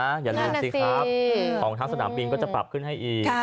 อ้างทางสนามบินก็จะปรับขึ้นให้อีก